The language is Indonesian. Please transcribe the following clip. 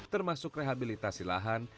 termasuk rehabilitasi lahan